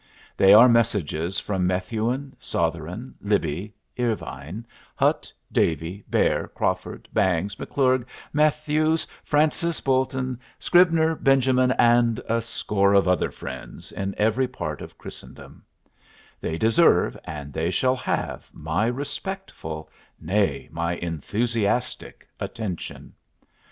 They are messages from Methuen, Sotheran, Libbie, Irvine, Hutt, Davey, Baer, Crawford, Bangs, McClurg, Matthews, Francis, Bouton, Scribner, Benjamin, and a score of other friends in every part of Christendom; they deserve and they shall have my respectful nay, my enthusiastic attention.